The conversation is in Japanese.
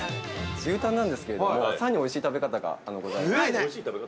◆牛タンなんですけども、さらにおいしい食べ方がございます。